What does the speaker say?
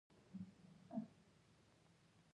په افغانستان کې د بامیان لپاره طبیعي شرایط پوره مناسب دي.